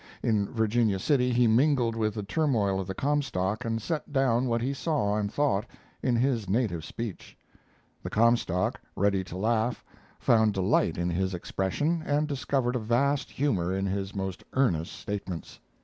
In Virginia City he mingled with the turmoil of the Comstock and set down what he saw and thought, in his native speech. The Comstock, ready to laugh, found delight in his expression and discovered a vast humor in his most earnest statements.